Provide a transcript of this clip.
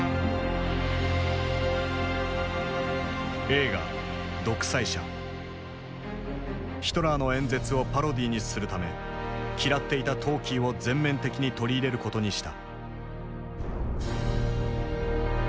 映画ヒトラーの演説をパロディーにするため嫌っていたトーキーを全面的に取り入れることにした。